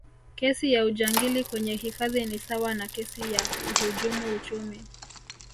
kesi ya ujangili kwenye hifadhi ni sawa na kesi ya uhujumu uchumi